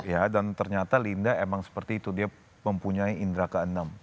ya dan ternyata linda emang seperti itu dia mempunyai indra ke enam